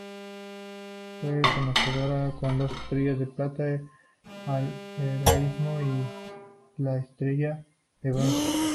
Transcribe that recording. Fue condecorado con dos Estrellas de Plata al heroísmo y una Estrella de Bronce.